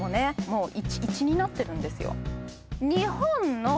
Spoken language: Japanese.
もう１位になってるんですよ